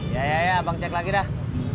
ya ya abang cek lagi dah